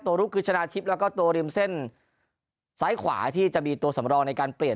ลูกคือชนะทิพย์แล้วก็ตัวริมเส้นซ้ายขวาที่จะมีตัวสำรองในการเปลี่ยน